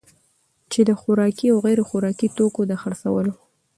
چي د خوراکي او غیر خوراکي توکو دخرڅولو